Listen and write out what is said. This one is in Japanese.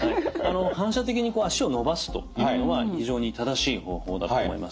反射的に足を伸ばすというのは非常に正しい方法だと思います。